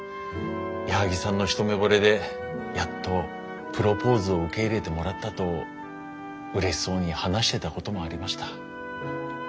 矢作さんの一目ぼれでやっとプロポーズを受け入れてもらったとうれしそうに話してたこともありました。